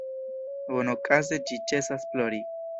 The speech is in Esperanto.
Bonokaze ĝi ĉesas plori.